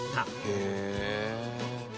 「へえ」